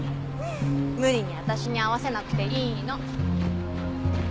無理に私に合わせなくていいの。